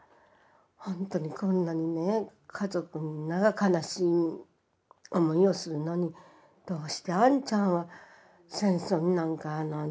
ほんとにこんなにね家族みんなが悲しい思いをするのにどうしてあんちゃんは戦争になんか出たんだろうかと思ってね。